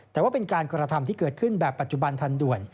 แต่ว่าเป็นการกระทำที่เกิดขึ้นแบบปัจจุบันทันด่วน